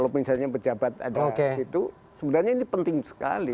misalnya pejabat ada itu sebenarnya ini penting sekali